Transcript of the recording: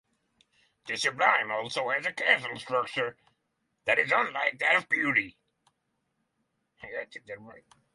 The sublime also has a causal structure that is unlike that of beauty.